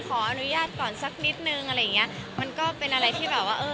ขออนุญาตก่อนสักนิดนึงอะไรอย่างเงี้ยมันก็เป็นอะไรที่แบบว่าเออ